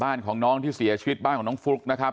บ้านของน้องที่เสียชีวิตบ้านของน้องฟลุ๊กนะครับ